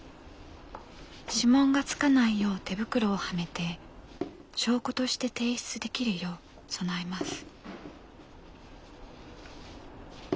指紋がつかないよう手袋をはめて証拠として提出できるよう備えます。